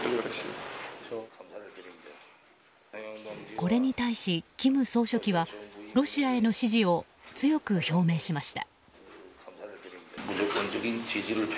これに対し、金総書記はロシアへの支持を強く表明しました。